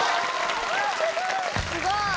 ・すごい！